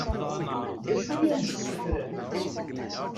D acu i am-d-ssutrent?